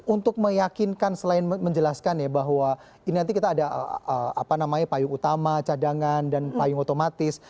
untuk meyakinkan selain menjelaskan ya bahwa ini nanti kita ada payung utama cadangan dan payung otomatis